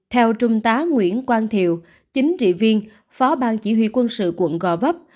theo trung tá nguyễn quang thiệu chính trị viên phó ban chỉ huy quân sự quận gò vấp